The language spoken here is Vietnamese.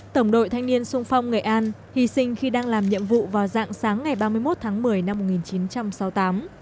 tổng đội thanh niên sung phong nghệ an hy sinh khi đang làm nhiệm vụ vào dạng sáng ngày ba mươi một tháng một mươi năm một nghìn chín trăm sáu mươi tám